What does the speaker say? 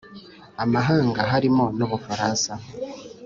amahanga, harimo n'u bufaransa,